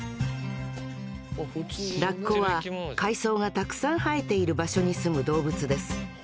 ラッコは海藻がたくさん生えている場所に住む動物です。